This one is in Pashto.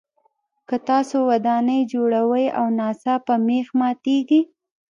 که تاسو ودانۍ جوړوئ او ناڅاپه مېخ ماتیږي.